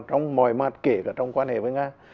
trong mọi mặt kể cả trong quan hệ với nga